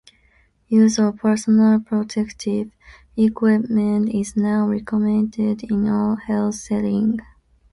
Use of personal protective equipment is now recommended in all health settings.